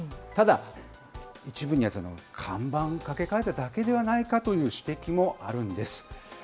ただ、一部には看板を掛け替えただけではないかという指摘もあるんです。